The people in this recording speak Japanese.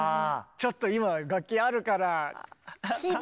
ちょっと今楽器あるから。